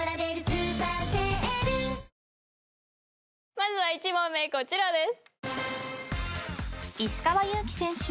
まずは１問目こちらです。